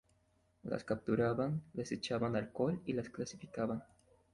Las capturaban, les echaban alcohol y las clasificaban.